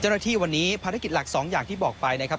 เจ้าหน้าที่วันนี้ภารกิจหลัก๒อย่างที่บอกไปนะครับ